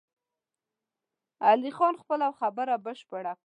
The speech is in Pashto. علي خان خپله خبره بشپړه کړه!